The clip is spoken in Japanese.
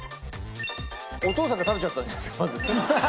お父さんが食べちゃったんですよ